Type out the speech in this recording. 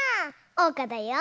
おうかだよ。